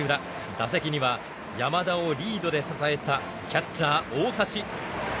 打席には山田をリードで支えたキャッチャー大橋。